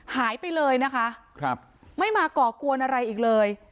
หายไปเลยนะคะครับไม่มาก่อกวนอะไรอีกเลย